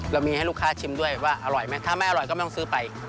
เรามีให้ลูกค้าชิมด้วยว่าอร่อยไหมถ้าไม่อร่อยก็ไม่ต้องซื้อไป